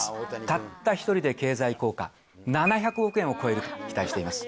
たった一人で経済効果７００億円を超えると期待しています。